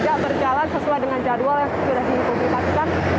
dan juga berjalan sesuai dengan jadwal yang sudah dikonsultasikan